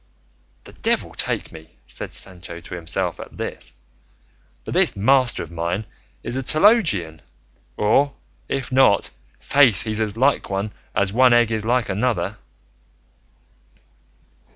"The devil take me," said Sancho to himself at this, "but this master of mine is a theologian; or, if not, faith, he's as like one as one egg is like another."